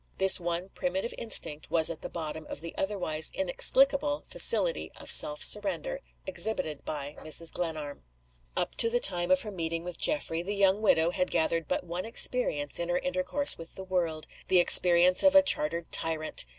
This one primitive instinct was at the bottom of the otherwise inexplicable facility of self surrender exhibited by Mrs. Glenarm. Up to the time of her meeting with Geoffrey, the young widow had gathered but one experience in her intercourse with the world the experience of a chartered tyrant.